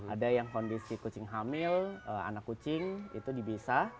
ada yang kondisi kucing hamil anak kucing itu dipisah